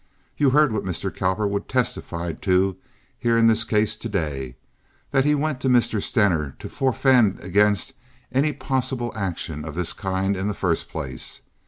You heard what Mr. Cowperwood testified to here in this case to day—that he went to Mr. Stener to forfend against any possible action of this kind in the first place.